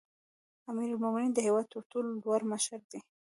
امیرالمؤمنین د هیواد تر ټولو لوړ مشر دی